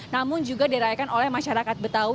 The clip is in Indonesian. namun juga dirayakan oleh masyarakat betawi